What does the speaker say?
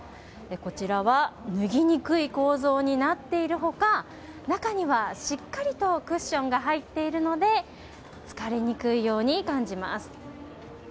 こちらは脱ぎにくい構造になっている他中には、しっかりとクッションが入っているので疲れにくいように感じます。